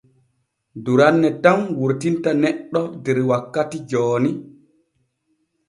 Duranne tan wurtinta neɗɗo der wakkati jooni.